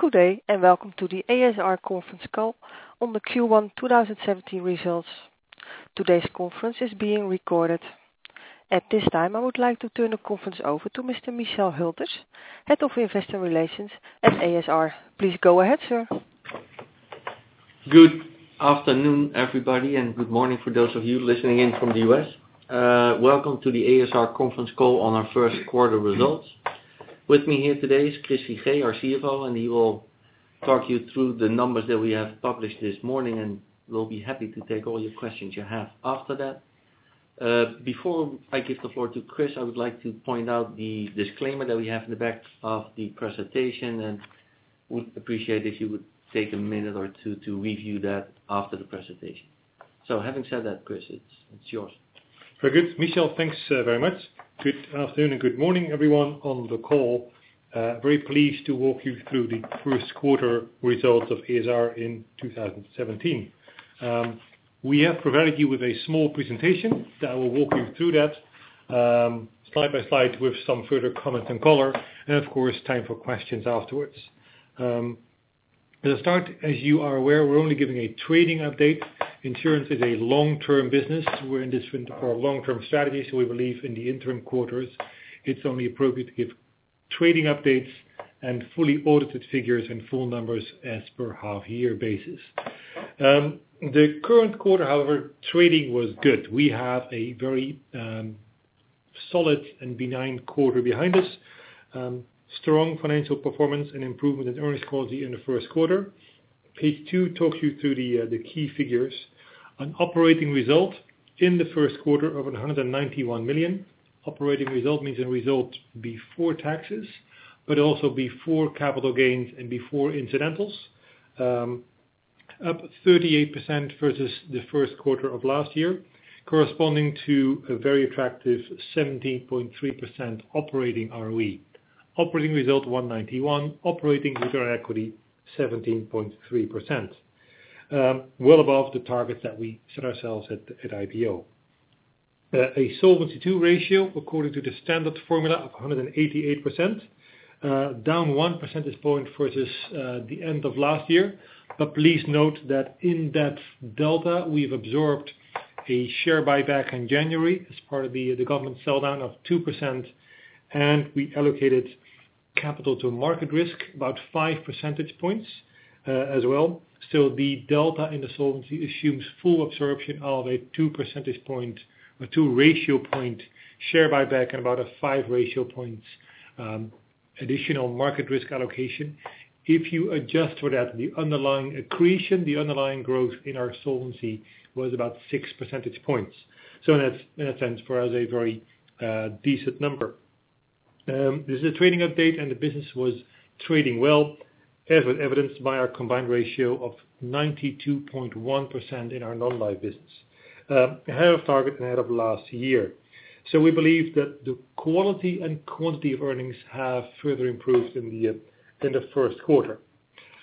Good day, welcome to the ASR conference call on the Q1 2017 results. Today's conference is being recorded. At this time, I would like to turn the conference over to Mr. Michel Hülters, Head of Investor Relations at ASR. Please go ahead, sir. Good afternoon, everybody, good morning for those of you listening in from the U.S. Welcome to the ASR conference call on our first quarter results. With me here today is Chris Figee, our CFO, he will talk you through the numbers that we have published this morning, and we'll be happy to take all your questions you have after that. Before I give the floor to Chris, I would like to point out the disclaimer that we have in the back of the presentation, and we'd appreciate it if you would take a minute or two to review that after the presentation. Having said that, Chris, it's yours. Very good, Michel. Thanks very much. Good afternoon and good morning, everyone on the call. Very pleased to walk you through the first quarter results of ASR in 2017. We have provided you with a small presentation that I will walk you through that slide by slide with some further comments and color, and of course, time for questions afterwards. To start, as you are aware, we're only giving a trading update. Insurance is a long-term business. We're in this for long-term strategies, we believe in the interim quarters, it's only appropriate to give trading updates and fully audited figures and full numbers as per half year basis. The current quarter, however, trading was good. We have a very solid and benign quarter behind us. Strong financial performance and improvement in earnings quality in the first quarter. Page two talks you through the key figures. An operating result in the first quarter of 191 million. Operating result means a result before taxes, before capital gains and before incidentals. Up 38% versus the first quarter of last year, corresponding to a very attractive 17.3% operating ROE. Operating result 191, operating return equity 17.3%. Well above the targets that we set ourselves at IPO. A Solvency II ratio, according to the standard formula of 188%, down one percentage point versus the end of last year. Please note that in that delta, we've absorbed a share buyback in January as part of the government sell down of 2%, and we allocated capital to market risk about five percentage points as well. The delta in the solvency assumes full absorption of a two percentage point or two ratio point share buyback and about a five ratio points additional market risk allocation. If you adjust for that, the underlying accretion, the underlying growth in our solvency was about six percentage points. In a sense for us, a very decent number. This is a trading update and the business was trading well, as evidenced by our combined ratio of 92.1% in our non-life business. Ahead of target and ahead of last year. We believe that the quality and quantity of earnings have further improved in the first quarter.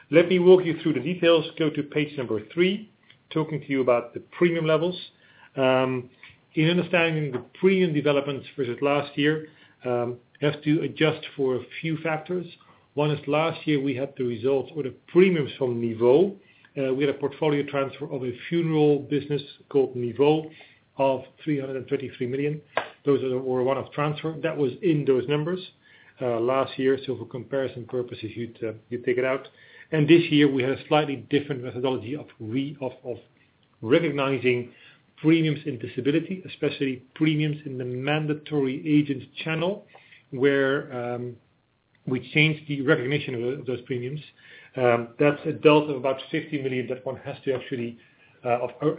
Let me walk you through the details. Go to page three, talking to you about the premium levels. In understanding the premium developments versus last year, you have to adjust for a few factors. One is last year, we had the results with the premiums from NIVO. We had a portfolio transfer of a funeral business called NIVO of 323 million. Those were a one-off transfer. That was in those numbers last year. For comparison purposes, you'd take it out. This year, we had a slightly different methodology of recognizing premiums in disability, especially premiums in the mandatory agent channel, where we changed the recognition of those premiums. That's a delta of about 50 million.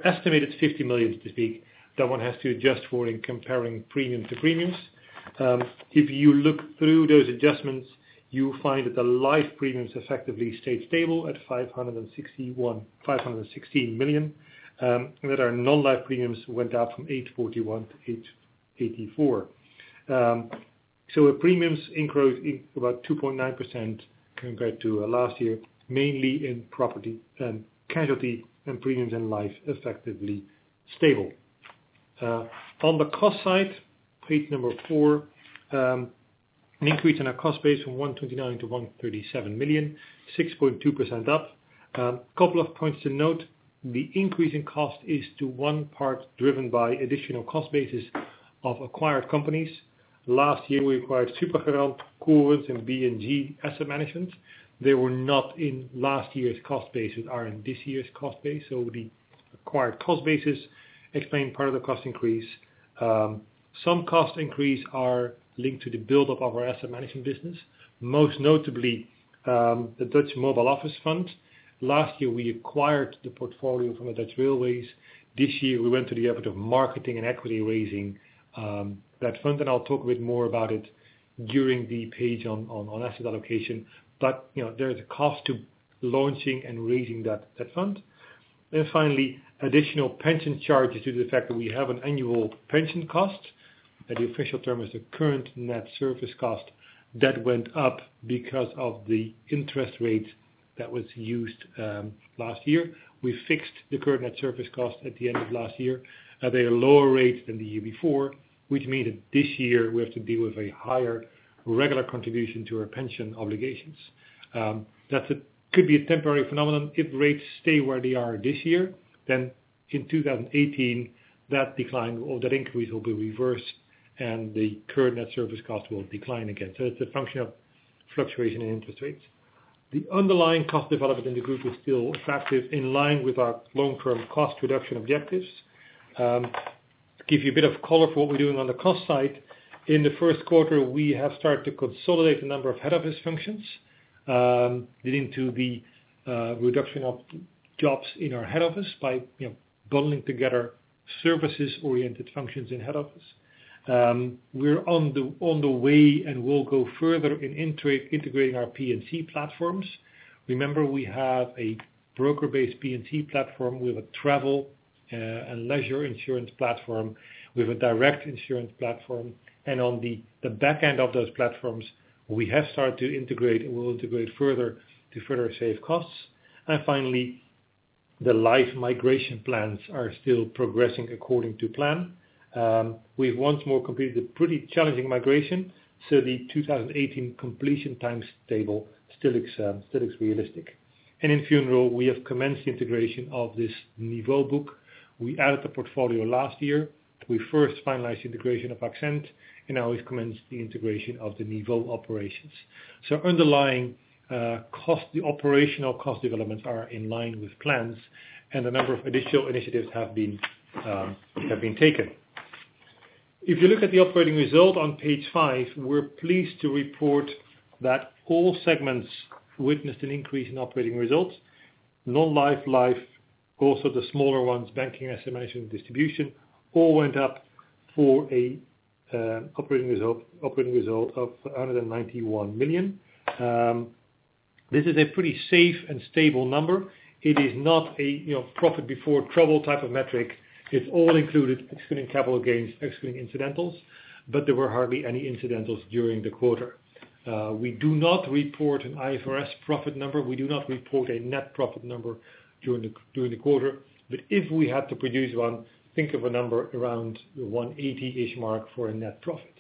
Estimated 50 million to speak, that one has to adjust for in comparing premium to premiums. If you look through those adjustments, you find that the life premiums effectively stayed stable at 516 million, and that our non-life premiums went up from 841 million to 884 million. Premiums increased about 2.9% compared to last year, mainly in property and casualty, and premiums and life effectively stable. On the cost side, page four, an increase in our cost base from 129 million to 137 million, 6.2% up. A couple of points to note, the increase in cost is to one part driven by additional cost bases of acquired companies. Last year, we acquired SuperGarant, Corins, and BNG Asset Management. They were not in last year's cost base but are in this year's cost base, the acquired cost bases explain part of the cost increase. Some cost increase are linked to the buildup of our asset management business, most notably the ASR Dutch Mobility Office Fund. Last year, we acquired the portfolio from the Nederlandse Spoorwegen. This year, we went to the effort of marketing and equity raising that fund, and I'll talk a bit more about it during the page on asset allocation. There is a cost to launching and raising that fund. Finally, additional pension charges due to the fact that we have an annual pension cost. The official term is the current net service cost. That went up because of the interest rate that was used last year. We fixed the current net service cost at the end of last year at a lower rate than the year before, which means that this year we have to deal with a higher regular contribution to our pension obligations. That could be a temporary phenomenon. If rates stay where they are this year, then in 2018 that decline or that increase will be reversed and the current net service cost will decline again. It's a function of fluctuation in interest rates. The underlying cost development in the group is still attractive, in line with our long-term cost reduction objectives. To give you a bit of color for what we're doing on the cost side, in the first quarter, we have started to consolidate a number of head office functions, leading to the reduction of jobs in our head office by bundling together services-oriented functions in head office. We're on the way and will go further in integrating our P&C platforms. Remember, we have a broker-based P&C platform. We have a travel and leisure insurance platform. We have a direct insurance platform, and on the back end of those platforms, we have started to integrate, and we'll integrate further to further save costs. Finally, the life migration plans are still progressing according to plan. We've once more completed a pretty challenging migration, so the 2018 completion time table still looks realistic. In funeral, we have commenced the integration of this NIVO book. We added the portfolio last year. We first finalized the integration of AXENT, now we've commenced the integration of the NIVO operations. Underlying operational cost developments are in line with plans, a number of additional initiatives have been taken. If you look at the operating result on page five, we're pleased to report that all segments witnessed an increase in operating results. Non-life, life, also the smaller ones, banking, estimation, distribution, all went up for an operating result of 191 million. This is a pretty safe and stable number. It is not a profit before trouble type of metric. It's all included, excluding capital gains, excluding incidentals, there were hardly any incidentals during the quarter. We do not report an IFRS profit number. We do not report a net profit number during the quarter. If we had to produce one, think of a number around the 180-ish mark for a net profit.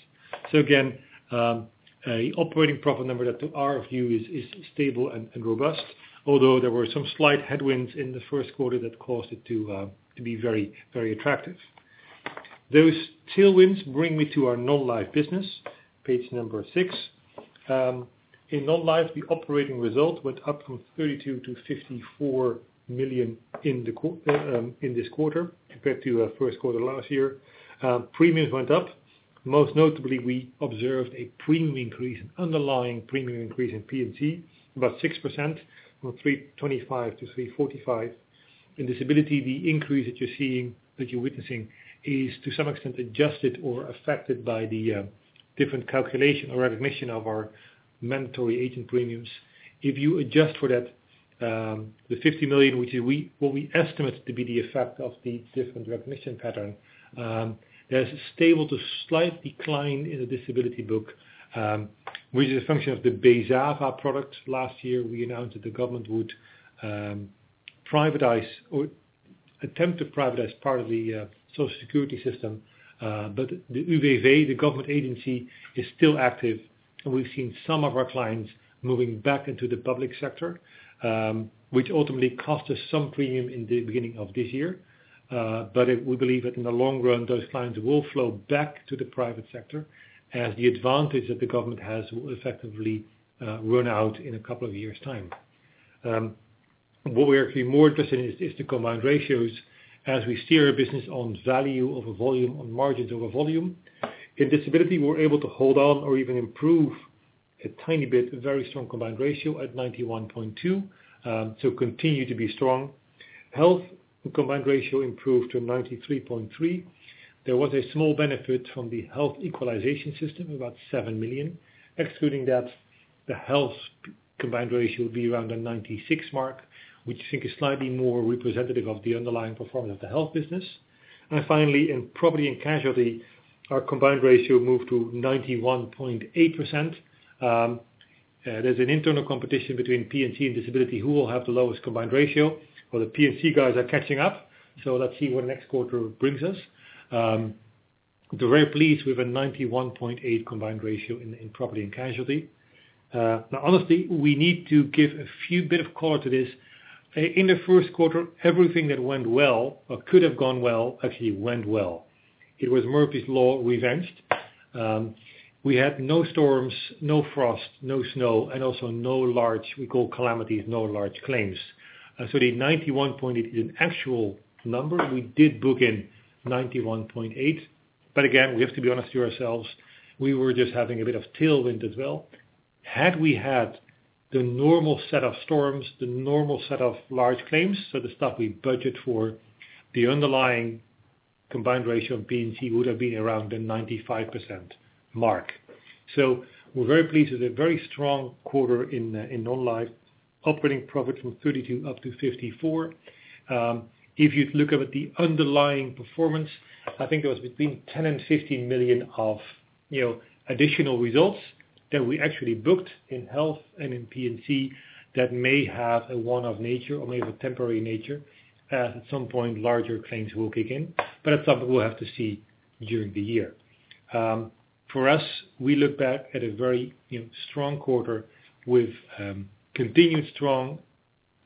Again, operating profit number that to our view, is stable and robust. Although there were some slight headwinds in the first quarter that caused it to be very attractive. Those tailwinds bring me to our non-life business, page number six. In non-life, the operating result went up from 32 million to 54 million in this quarter compared to first quarter last year. Premiums went up. Most notably, we observed a premium increase, an underlying premium increase in P&C, about 6%, from 325 million to 345 million. In disability, the increase that you're witnessing is to some extent adjusted or affected by the different calculation or recognition of our mandatory agent premiums. If you adjust for that, the 50 million, what we estimate to be the effect of the different recognition pattern. There's a stable to slight decline in the disability book, which is a function of the BeZaVa product. Last year, we announced that the government would privatize or attempt to privatize part of the Social Security system. The UWV, the government agency, is still active, we've seen some of our clients moving back into the public sector, which ultimately cost us some premium in the beginning of this year. We believe that in the long run, those clients will flow back to the private sector as the advantage that the government has will effectively run out in a couple of years' time. What we're actually more interested in is the combined ratios as we steer a business on value of a volume, on margins of a volume. In disability, we're able to hold on or even improve a tiny bit, a very strong combined ratio at 91.2, Continue to be strong. Health combined ratio improved to 93.3. There was a small benefit from the health equalization system, about 7 million. Excluding that, the health combined ratio would be around the 96 mark, which I think is slightly more representative of the underlying performance of the health business. Finally, in property and casualty, our combined ratio moved to 91.8%. There's an internal competition between P&C and disability, who will have the lowest combined ratio? The P&C guys are catching up, Let's see what next quarter brings us. Very pleased with a 91.8 combined ratio in property and casualty. Honestly, we need to give a few bit of color to this. In the first quarter, everything that went well or could have gone well, actually went well. It was Murphy's Law revenged. We had no storms, no frost, no snow, and also no large, we call calamities, no large claims. The 91.8 is an actual number. We did book in 91.8. Again, we have to be honest to ourselves, we were just having a bit of tailwind as well. Had we had the normal set of storms, the normal set of large claims, the stuff we budget for, the underlying combined ratio of P&C would have been around the 95% mark. We're very pleased with a very strong quarter in non-life operating profit from 32 up to 54. If you look up at the underlying performance, I think it was between 10 million and 15 million of Additional results that we actually booked in health and in P&C that may have a one-off nature or may have a temporary nature. At some point, larger claims will kick in, but that's something we'll have to see during the year. For us, we look back at a very strong quarter with continued strong,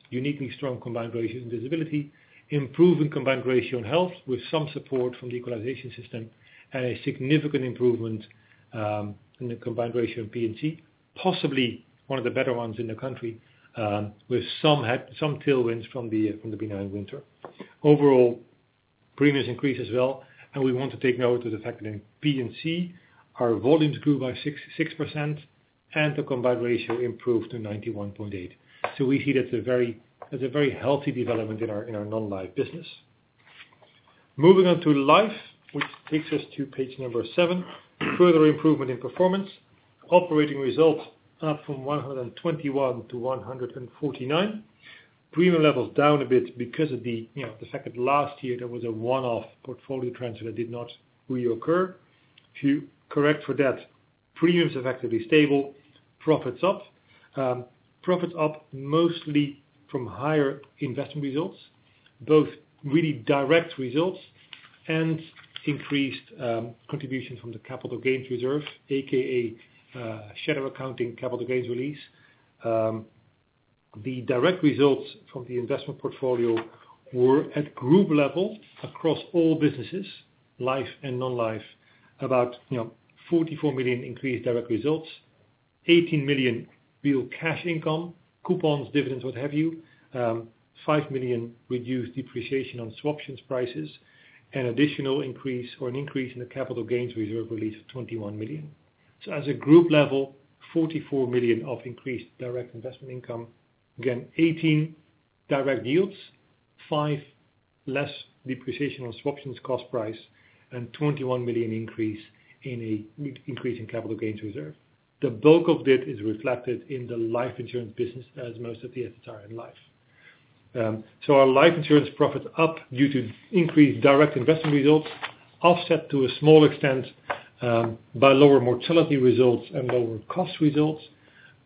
uniquely strong combined ratio in disability, improving combined ratio on health with some support from the equalization system, and a significant improvement in the combined ratio of P&C, possibly one of the better ones in the country, with some tailwinds from the benign winter. Overall, premiums increase as well, and we want to take note of the fact that in P&C, our volumes grew by 6% and the combined ratio improved to 91.8. We see that's a very healthy development in our non-life business. Moving on to life, which takes us to page number seven. Further improvement in performance. Operating results up from 121 to 149. Premium levels down a bit because of the fact that last year there was a one-off portfolio transfer that did not reoccur. If you correct for that, premiums effectively stable, profits up. Profits up mostly from higher investment results, both really direct results and increased contribution from the capital gains reserve, AKA shadow accounting capital gains release. The direct results from the investment portfolio were at group level across all businesses, life and non-life, about 44 million increased direct results, 18 million real cash income, coupons, dividends, what have you. 5 million reduced depreciation on swaptions prices, an additional increase or an increase in the capital gains reserve release of 21 million. As a group level, 44 million of increased direct investment income. Again, 18 direct yields, 5 less depreciation on swaptions cost price, and 21 million increase in capital gains reserve. The bulk of it is reflected in the life insurance business, as most of the assets are in life. Our life insurance profits up due to increased direct investment results, offset to a small extent by lower mortality results and lower cost results.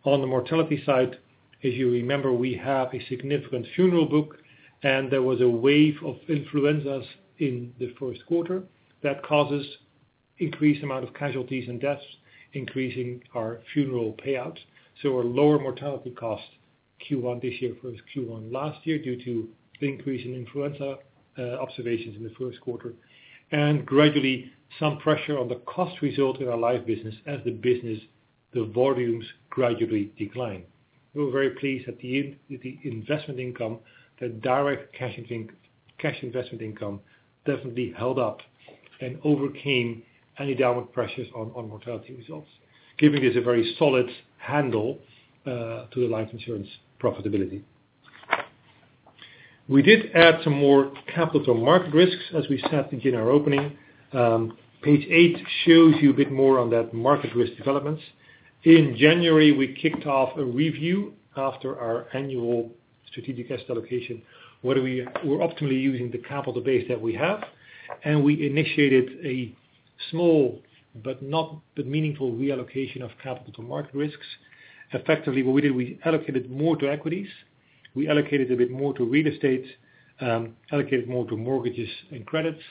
On the mortality side, if you remember, we have a significant funeral book, and there was a wave of influenzas in the first quarter that causes increased amount of casualties and deaths, increasing our funeral payouts. A lower mortality cost Q1 this year versus Q1 last year due to the increase in influenza observations in the first quarter, and gradually some pressure on the cost result in our life business as the business, the volumes gradually decline. We were very pleased that the investment income, the direct cash investment income definitely held up and overcame any downward pressures on mortality results, giving us a very solid handle to the life insurance profitability. We did add some more capital market risks as we said in our opening. Page eight shows you a bit more on that market risk developments. In January, we kicked off a review after our annual strategic asset allocation. We're optimally using the capital base that we have, and we initiated a small but meaningful reallocation of capital to market risks. Effectively, what we did, we allocated more to equities. We allocated a bit more to real estate, allocated more to mortgages and credits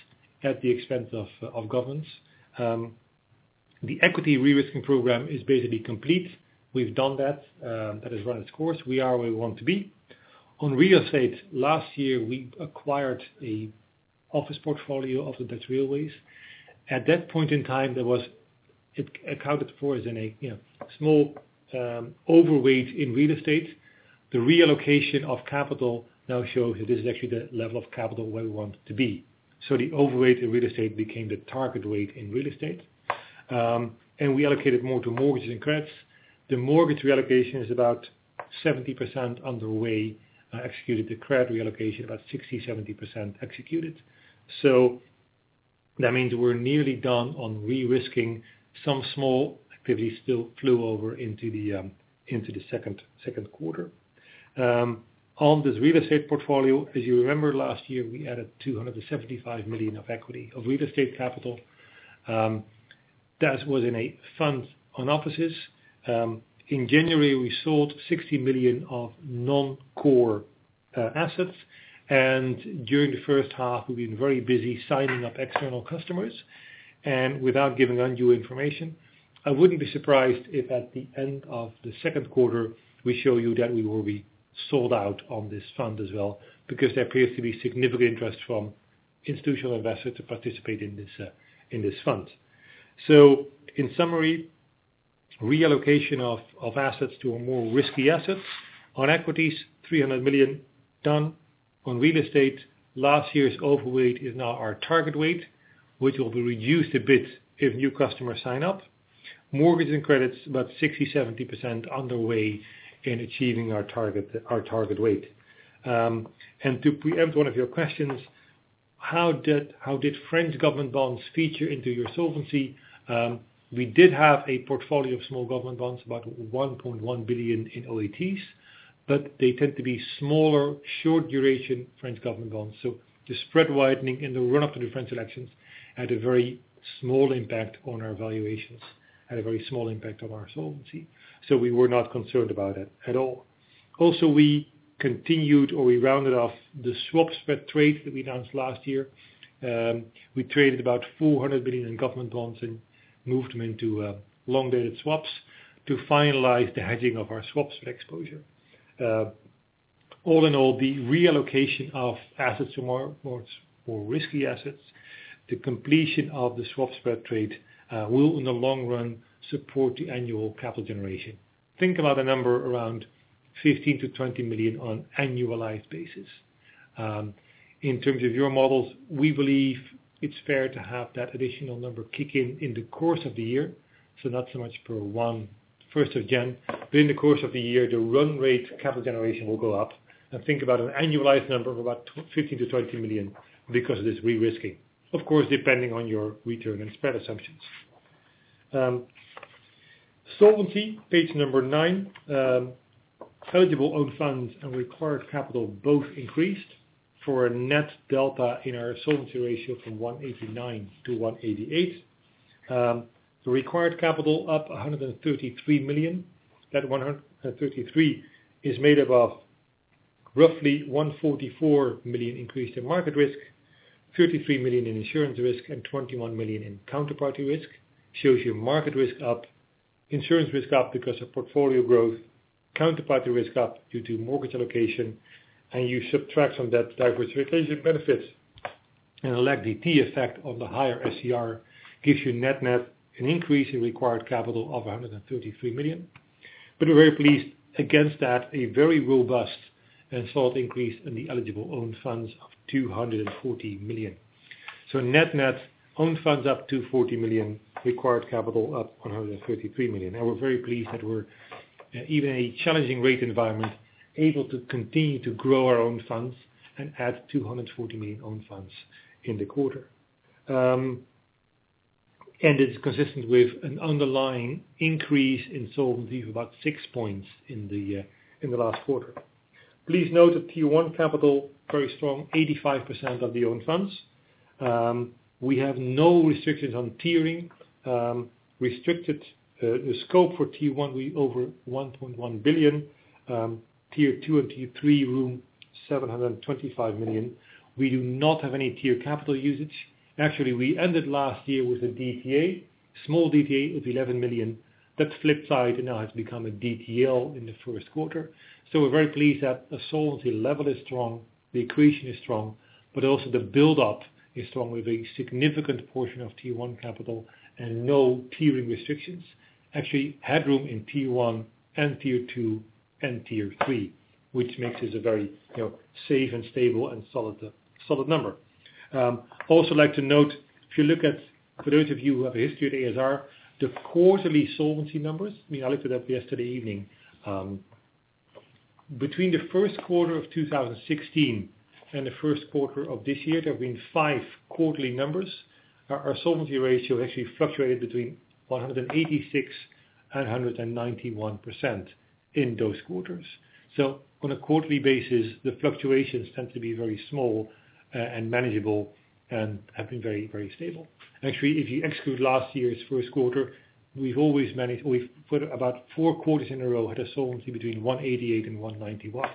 at the expense of governments. The equity risk program is basically complete. We've done that. That has run its course. We are where we want to be. On real estate, last year, we acquired the office portfolio of the Nederlandse Spoorwegen. At that point in time, it accounted for as in a small overweight in real estate. The reallocation of capital now shows that this is actually the level of capital where we want to be. The overweight in real estate became the target weight in real estate. We allocated more to mortgages and credits. The mortgage reallocation is about 70% underway, executed. The credit reallocation, about 60%, 70% executed. That means we're nearly done on re-risking. Some small activity still flew over into the second quarter. On this real estate portfolio, as you remember, last year, we added 275 million of equity of real estate capital. That was in a fund on offices. In January, we sold 60 million of non-core assets, and during the first half, we've been very busy signing up external customers. Without giving undue information, I wouldn't be surprised if at the end of the second quarter, we show you that we will be sold out on this fund as well because there appears to be significant interest from institutional investors to participate in this fund. In summary, reallocation of assets to a more risky asset. On equities, 300 million done. On real estate, last year's overweight is now our target weight, which will be reduced a bit if new customers sign up. Mortgage and credits, about 60%, 70% underway in achieving our target weight. To preempt one of your questions, how did French government bonds feature into your solvency? We did have a portfolio of small government bonds, about 1.1 billion in OATs. They tend to be smaller, short duration French government bonds. The spread widening in the run-up to the French elections had a very small impact on our valuations, had a very small impact on our solvency. We were not concerned about it at all. We continued, or we rounded off the swap spread trade that we announced last year. We traded about 400 billion in government bonds and moved them into long-dated swaps to finalize the hedging of our swap spread exposure. All in all, the reallocation of assets to more risky assets, the completion of the swap spread trade will in the long run support the annual capital generation. Think about a number around 15 million to 20 million on annualized basis. In terms of your models, we believe it is fair to have that additional number kick in the course of the year. Not so much per 1st of January, but in the course of the year, the run rate capital generation will go up. Think about an annualized number of about 15 million to 20 million because of this re-risking. Of course, depending on your return and spread assumptions. Solvency, page number nine. Eligible own funds and required capital both increased for a net delta in our solvency ratio from 189% to 188%. The required capital up 133 million. That 133 is made up of roughly 144 million increase in market risk, 33 million in insurance risk and 21 million in counterparty risk. Shows you market risk up, insurance risk up because of portfolio growth, counterparty risk up due to mortgage allocation. You subtract from that diversification benefits and a DTL effect on the higher SCR gives you net-net an increase in required capital of 133 million. We're very pleased against that, a very robust and solid increase in the eligible own funds of 240 million. Net-net own funds up 240 million, required capital up 133 million. We're very pleased that we're, even a challenging rate environment, able to continue to grow our own funds and add 240 million own funds in the quarter. It's consistent with an underlying increase in solvency of about six points in the last quarter. Please note that Q1 capital, very strong, 85% of the own funds. We have no restrictions on tiering. Restricted the scope for Tier 1 over 1.1 billion. Tier 2 and Tier 3 room, 725 million. We do not have any tier capital usage. Actually, we ended last year with a DTA. Small DTA of 11 million. That flip side now has become a DTL in the first quarter. We're very pleased that the solvency level is strong, the accretion is strong, but also the build-up is strong with a significant portion of Tier 1 capital and no tiering restrictions. Actually, headroom in Tier 1 and Tier 2 and Tier 3, which makes this a very safe and stable and solid number. Like to note, for those of you who have a history at ASR, the quarterly solvency numbers, I mean, I looked it up yesterday evening. Between the first quarter of 2016 and the first quarter of this year, there have been five quarterly numbers. Our solvency ratio actually fluctuated between 186% and 191% in those quarters. On a quarterly basis, the fluctuations tend to be very small and manageable and have been very, very stable. If you exclude last year's first quarter, we've for about four quarters in a row had a solvency between 188 and 191.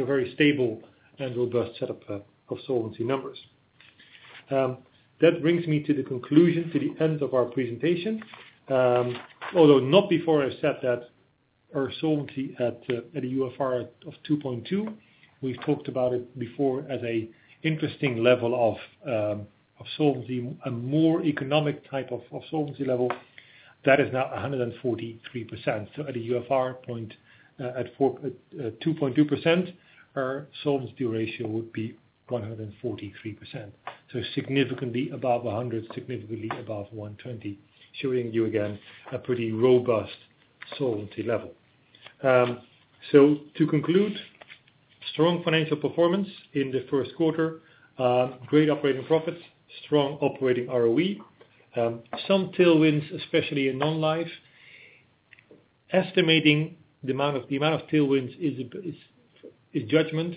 A very stable and robust set of solvency numbers. That brings me to the conclusion, to the end of our presentation. Although not before I've said that our solvency at a UFR of 2.2, we've talked about it before as a interesting level of solvency, a more economic type of solvency level. That is now 143%. At a UFR point at 2.2%, our solvency ratio would be 143%. Significantly above 100, significantly above 120, showing you again a pretty robust solvency level. To conclude, strong financial performance in the first quarter. Great operating profits, strong operating ROE. Some tailwinds, especially in non-life. Estimating the amount of tailwinds is judgment.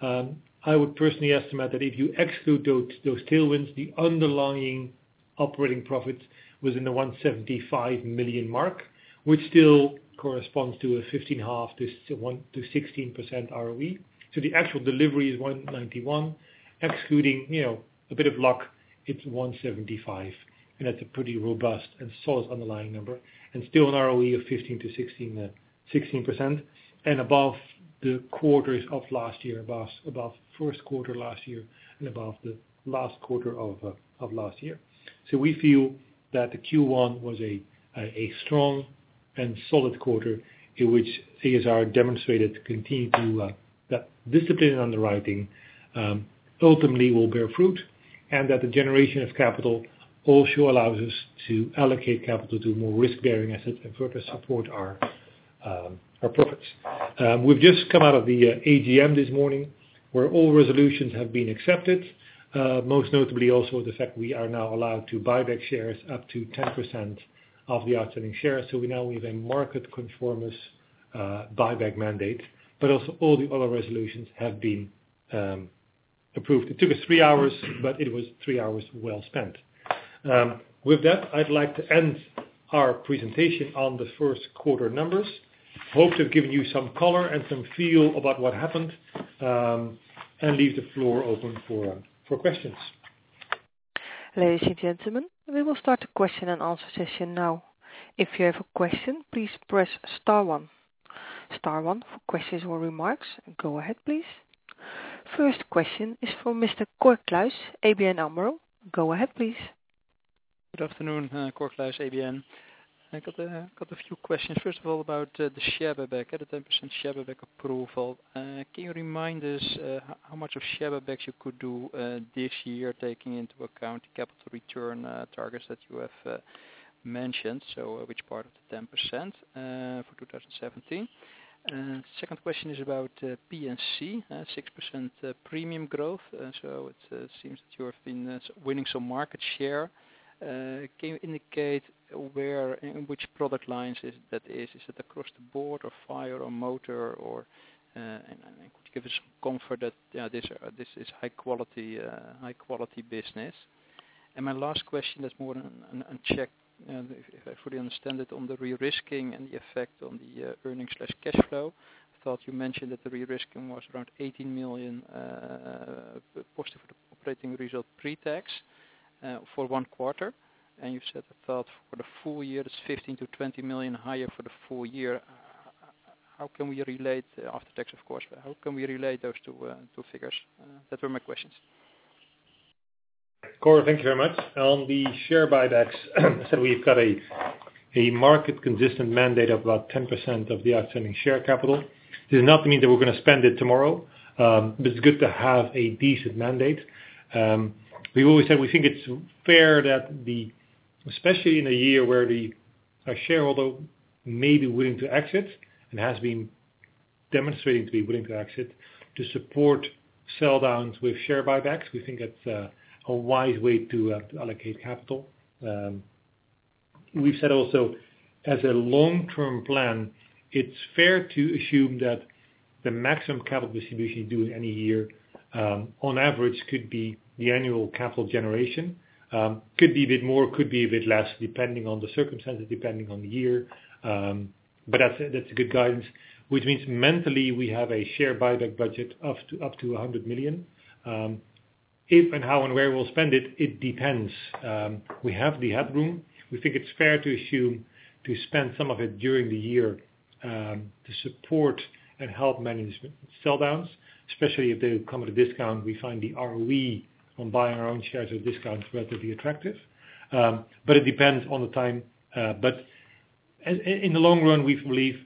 I would personally estimate that if you exclude those tailwinds, the underlying operating profit was in the 175 million mark, which still corresponds to a 15.5%-16% ROE. The actual delivery is 191. Excluding a bit of luck, it's 175, and that's a pretty robust and solid underlying number, and still an ROE of 15%-16%, and above the quarters of last year. Above first quarter last year and above the last quarter of last year. We feel that the Q1 was a strong and solid quarter in which ASR demonstrated to continue to That discipline underwriting ultimately will bear fruit, and that the generation of capital also allows us to allocate capital to more risk-bearing assets and further support our profits. We've just come out of the AGM this morning, where all resolutions have been accepted. Most notably also the fact we are now allowed to buy back shares up to 10% of the outstanding shares. We now have a market conformers buyback mandate, but also all the other resolutions have been Approved. It took us three hours, but it was three hours well spent. With that, I'd like to end our presentation on the first quarter numbers. Hope to have given you some color and some feel about what happened, and leave the floor open for questions. Ladies and gentlemen, we will start the question and answer session now. If you have a question, please press star one. Star one for questions or remarks. Go ahead, please. First question is from Mr. Cor Kluis, ABN AMRO. Go ahead, please. Good afternoon, Cor Kluis, ABN. I got a few questions. About the share buyback, the 10% share buyback approval. Can you remind us how much of share buybacks you could do this year, taking into account the capital return targets that you have mentioned? Which part of the 10% for 2017? Second question is about P&C, 6% premium growth. It seems that you have been winning some market share. Can you indicate in which product lines that is? Is it across the board or fire or motor? Could you give us some comfort that this is high-quality business? My last question is more on check, if I fully understand it, on the re-risking and the effect on the earnings/cash flow. I thought you mentioned that the re-risking was around 18 million positive operating result pre-tax for one quarter. You said, I thought for the full year, that's 15 million-20 million higher for the full year. How can we relate, after tax, of course, but how can we relate those two figures? That were my questions. Cor, thank you very much. On the share buybacks, we've got a market consistent mandate of about 10% of the outstanding share capital. It does not mean that we're going to spend it tomorrow. It's good to have a decent mandate. We've always said we think it's fair that, especially in a year where the shareholder may be willing to exit and has been demonstrating to be willing to exit, to support sell downs with share buybacks. We think that's a wise way to allocate capital. We've said also as a long-term plan, it's fair to assume that the maximum capital distribution due in any year, on average could be the annual capital generation. Could be a bit more, could be a bit less, depending on the circumstances, depending on the year. That's a good guidance, which means mentally we have a share buyback budget of up to 100 million. If and how and where we'll spend it depends. We have the headroom. We think it's fair to assume to spend some of it during the year to support and help management sell downs, especially if they come at a discount. We find the ROE on buying our own shares at a discount is relatively attractive. It depends on the time. In the long run, we believe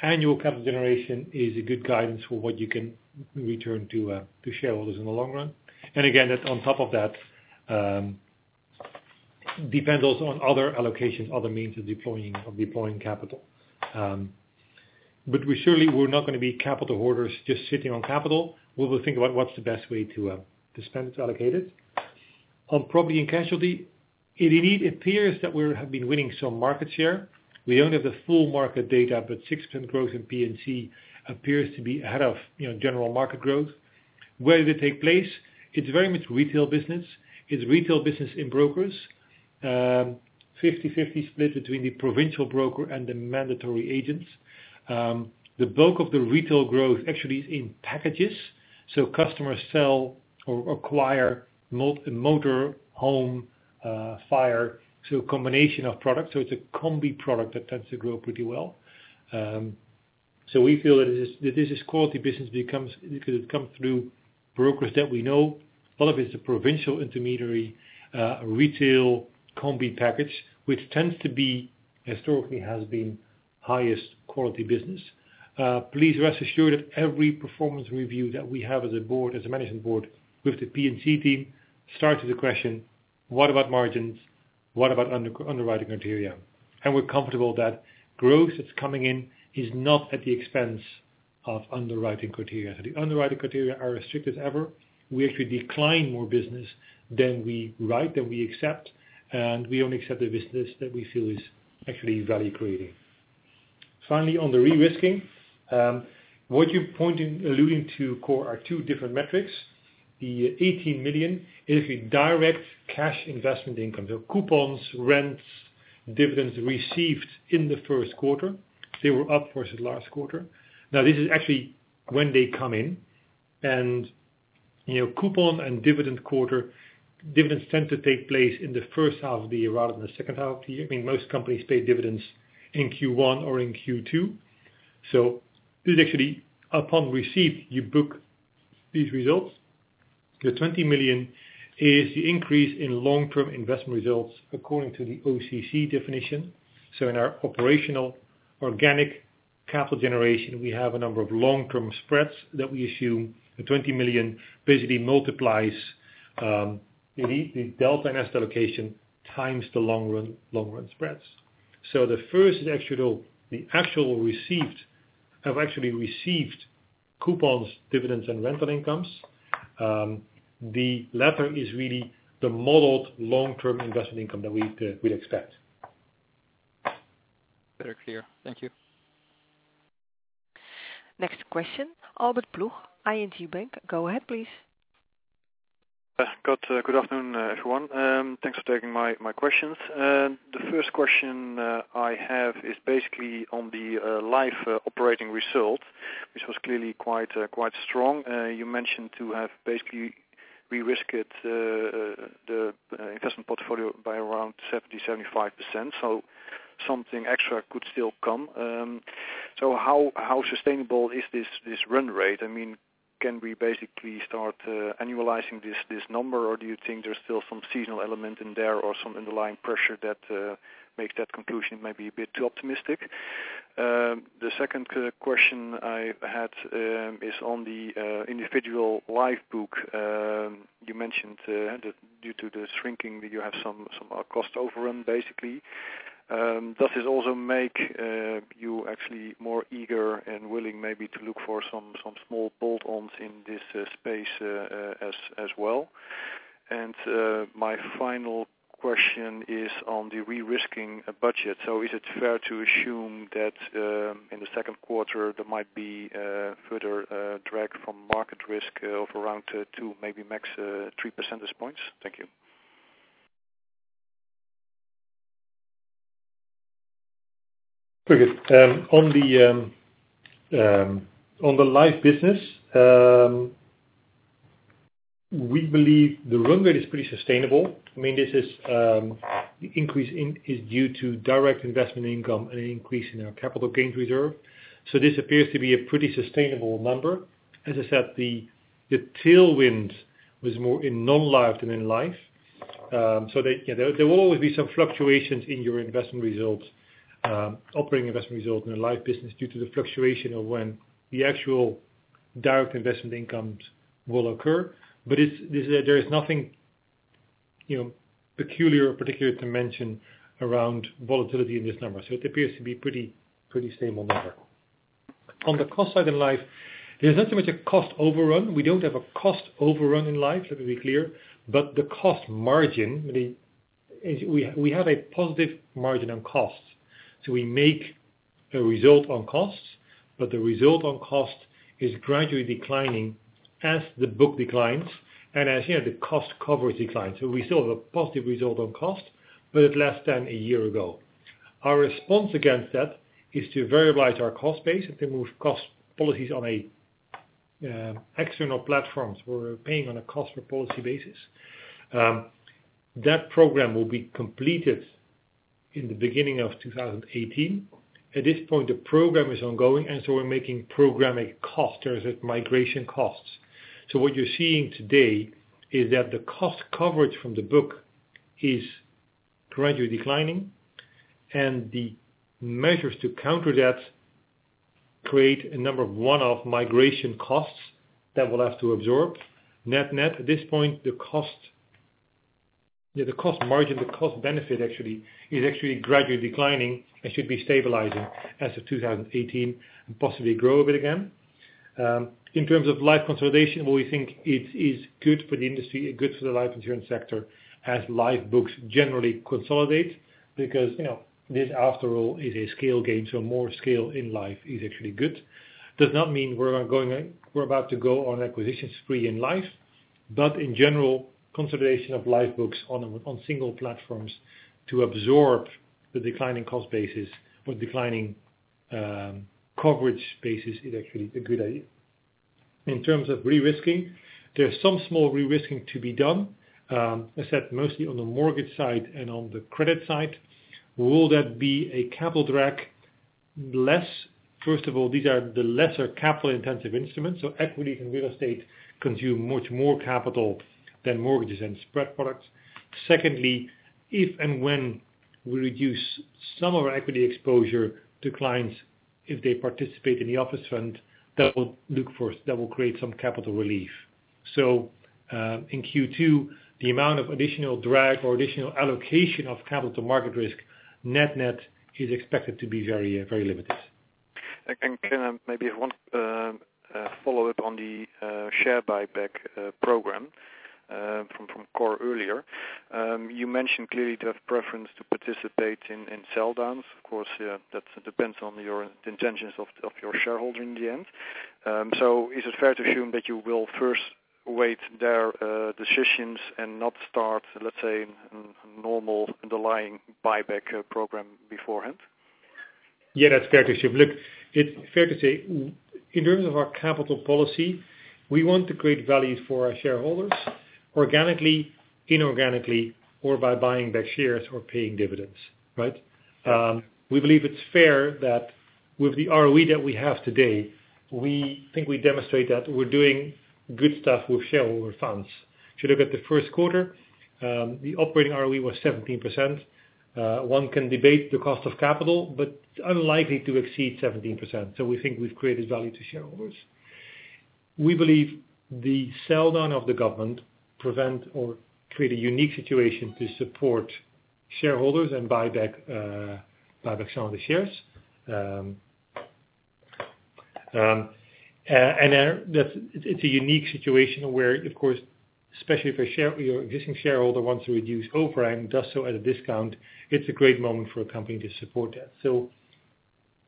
annual capital generation is a good guidance for what you can return to shareholders in the long run. Again, that on top of that, depends also on other allocations, other means of deploying capital. We surely we're not going to be capital hoarders just sitting on capital. We will think about what's the best way to spend, to allocate it. On property and casualty, it indeed appears that we have been winning some market share. We only have the full market data, but 6% growth in P&C appears to be ahead of general market growth. Where did it take place? It's very much retail business. It's retail business in brokers. 50/50 split between the provincial broker and the mandatory agents. The bulk of the retail growth actually is in packages. Customers sell or acquire motor, home, fire, a combination of products. It's a combi product that tends to grow pretty well. We feel that this is quality business because it comes through brokers that we know. A lot of it is a provincial intermediary, retail combi package, which tends to be, historically has been highest quality business. Please rest assured that every performance review that we have as a board, as a management board with the P&C team starts with the question, What about margins? What about underwriting criteria? We're comfortable that growth that's coming in is not at the expense of underwriting criteria. The underwriting criteria are as strict as ever. We actually decline more business than we write, than we accept, and we only accept the business that we feel is actually value creating. Finally, on the re-risking. What you're alluding to, Cor, are two different metrics. The 18 million is a direct cash investment income. Coupons, rents, dividends received in the first quarter. They were up versus last quarter. Now, this is actually when they come in. Coupon and dividend quarter, dividends tend to take place in the first half of the year rather than the second half of the year. Most companies pay dividends in Q1 or in Q2. This is actually upon receipt, you book these results. The 20 million is the increase in long-term investment results according to the OCG definition. In our operational organic capital generation, we have a number of long-term spreads that we assume the 20 million basically multiplies the delta and asset allocation times the long run spreads. The first is the actual received. Have actually received coupons, dividends, and rental incomes. The latter is really the modeled long-term investment income that we'd expect. Better clear. Thank you. Next question, Albert Ploeg, ING Bank. Go ahead, please. Good afternoon, everyone. Thanks for taking my questions. The first question I have is basically on the Life operating result, which was clearly quite strong. You mentioned to have basically re-risked the investment portfolio by around 70%-75%, so something extra could still come. How sustainable is this run rate? Can we basically start annualizing this number, or do you think there's still some seasonal element in there or some underlying pressure that makes that conclusion maybe a bit too optimistic? The second question I had is on the individual Life book. You mentioned that due to the shrinking, you have some cost overrun, basically. Does this also make you actually more eager and willing maybe to look for some small bolt-ons in this space as well? My final question is on the re-risking budget. Is it fair to assume that in the second quarter, there might be a further drag from market risk of around two, maybe max three percentage points? Thank you. Very good. On the Life business, we believe the run rate is pretty sustainable. The increase is due to direct investment income and an increase in our capital gains reserve. This appears to be a pretty sustainable number. As I said, the tailwind was more in Non-Life than in Life. There will always be some fluctuations in your operating investment results in the Life business due to the fluctuation of when the actual direct investment incomes will occur. There is nothing peculiar or particular to mention around volatility in this number. It appears to be pretty stable number. On the cost side in Life, there's not so much a cost overrun. We don't have a cost overrun in Life, let me be clear. The cost margin, we have a positive margin on cost. We make a result on cost, but the result on cost is gradually declining as the book declines and as the cost coverage declines. We still have a positive result on cost, but it's less than a year ago. Our response against that is to variabilize our cost base and to move cost policies on external platforms where we're paying on a cost per policy basis. That program will be completed in the beginning of 2018. At this point, the program is ongoing and so we're making programmatic cost, there is migration costs. What you're seeing today is that the cost coverage from the book is gradually declining, and the measures to counter that create a number of one-off migration costs that we'll have to absorb. Net-net at this point, the cost margin, the cost benefit actually, is actually gradually declining and should be stabilizing as of 2018 and possibly grow a bit again. In terms of Life consolidation, we think it is good for the industry and good for the life insurance sector as Life books generally consolidate because this, after all, is a scale game, so more scale in Life is actually good. Does not mean we're about to go on an acquisition spree in Life. In general, consolidation of Life books on single platforms to absorb the declining cost bases or declining coverage bases is actually a good idea. In terms of re-risking, there's some small re-risking to be done. I said mostly on the mortgage side and on the credit side. Will that be a capital drag less? First of all, these are the lesser capital-intensive instruments, so equity and real estate consume much more capital than mortgages and spread products. Secondly, if and when we reduce some of our equity exposure to clients, if they participate in the office fund, that will create some capital relief. In Q2, the amount of additional drag or additional allocation of capital to market risk net-net is expected to be very limited. I can maybe have one follow-up on the share buyback program from Cor earlier. You mentioned clearly to have preference to participate in sell downs. That depends on the intentions of your shareholder in the end. Is it fair to assume that you will first await their decisions and not start, let's say, a normal underlying buyback program beforehand? That's fair to assume. Look, it's fair to say, in terms of our capital policy, we want to create value for our shareholders organically, inorganically, or by buying back shares or paying dividends. We believe it's fair that with the ROE that we have today, we think we demonstrate that we're doing good stuff with shareholder funds. If you look at the first quarter, the operating ROE was 17%. One can debate the cost of capital, but unlikely to exceed 17%. We think we've created value to shareholders. We believe the sell-down of the government prevent or create a unique situation to support shareholders and buy back some of the shares. It's a unique situation where, of course, especially if your existing shareholder wants to reduce overhang, does so at a discount, it's a great moment for a company to support that.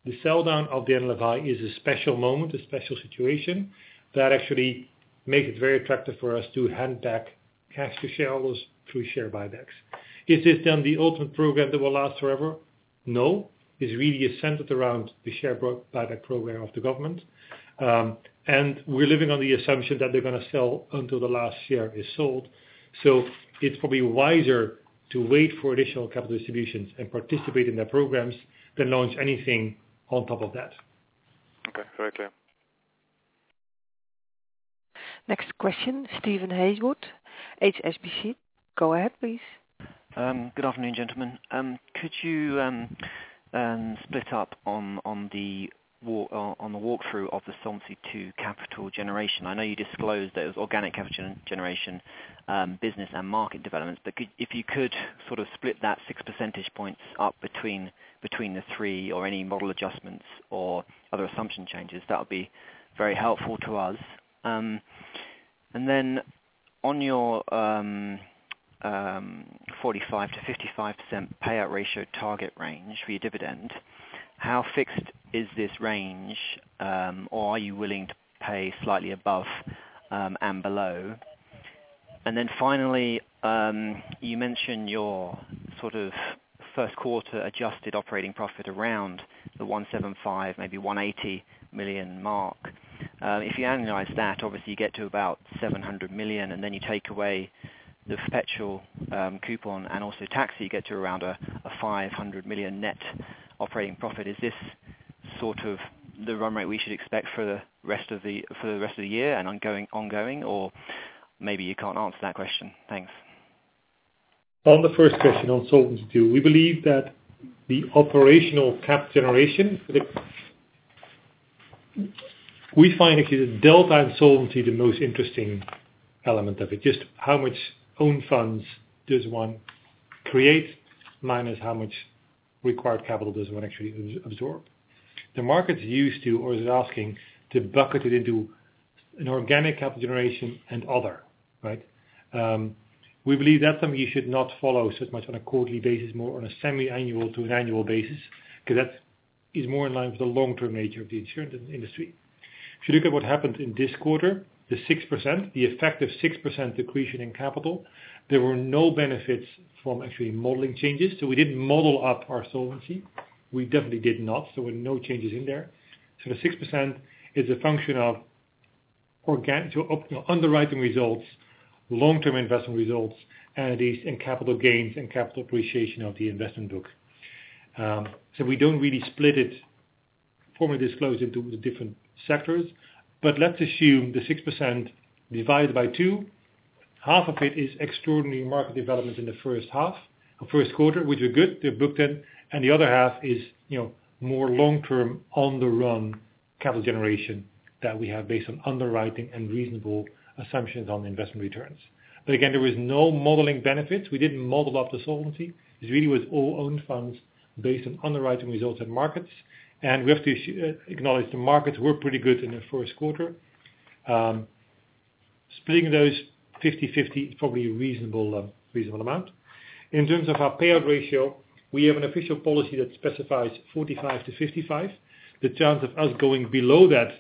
The sell-down of Daniel Levi is a special moment, a special situation that actually makes it very attractive for us to hand back cash to shareholders through share buybacks. Is this the ultimate program that will last forever? No. It's really centered around the share buyback program of the government. We're living on the assumption that they're going to sell until the last share is sold. It's probably wiser to wait for additional capital distributions and participate in their programs than launch anything on top of that. Okay. Very clear. Next question, Steven Haywood, HSBC. Go ahead, please. Good afternoon, gentlemen. Could you split up on the walkthrough of the Solvency II capital generation? I know you disclosed that it was organic capital generation, business and market developments, but if you could split that 6 percentage points up between the three or any model adjustments or other assumption changes, that would be very helpful to us. On your 45%-55% payout ratio target range for your dividend, how fixed is this range, or are you willing to pay slightly above and below? Finally, you mentioned your first quarter adjusted operating profit around the 175 million, maybe 180 million mark. If you annualize that, obviously you get to about 700 million, then you take away the perpetual coupon and also tax, you get to around a 500 million net operating profit. Is this the run rate we should expect for the rest of the year and ongoing, or maybe you can't answer that question. Thanks. On the first question on Solvency II, we believe that the operational cap generation, we find actually the delta in solvency the most interesting element of it. Just how much own funds does one create, minus how much required capital does one actually absorb. The market's used to, or is asking, to bucket it into an organic capital generation and other. We believe that's something you should not follow so much on a quarterly basis, more on a semi-annual to an annual basis, because that is more in line with the long-term nature of the insurance industry. If you look at what happened in this quarter, the 6%, the effect of 6% decreasing in capital, there were no benefits from actually modeling changes. We didn't model up our solvency. We definitely did not. There were no changes in there. The 6% is a function of underwriting results, long-term investment results, and capital gains and capital appreciation of the investment book. We don't really split it, formally disclose it to the different sectors. Let's assume the 6% divided by two, half of it is extraordinary market development in the first half or first quarter, which are good. They're booked in. The other half is more long-term on the run capital generation that we have based on underwriting and reasonable assumptions on investment returns. Again, there was no modeling benefits. We didn't model up the solvency. It really was all own funds based on underwriting results and markets. We have to acknowledge the markets were pretty good in the first quarter. Splitting those 50-50 is probably a reasonable amount. In terms of our payout ratio, we have an official policy that specifies 45%-55%. The chance of us going below that,